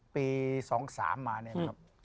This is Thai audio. ปี๒๓มาเนี่ยนะครับ